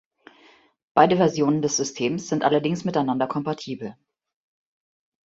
Beide Versionen des Systems sind allerdings miteinander kompatibel.